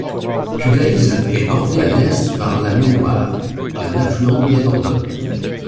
Tudeils est bordée à l'est par la Ménoire, un affluent de la Dordogne.